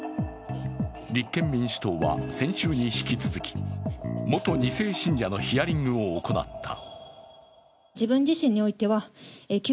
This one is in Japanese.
立憲民主党は先週に引き続き、元２世信者のヒアリングを行った。